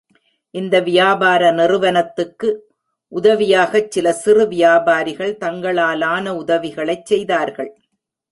இந்த வியாபார நிறுவனத்துக்கு உதவியாகச் சில சிறு வியாபாரிகள் தங்களாலான உதவிகளைச் செய்தார்கள்.